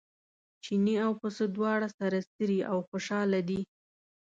چیني او پسه دواړه سره څري او خوشاله دي.